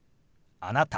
「あなた」。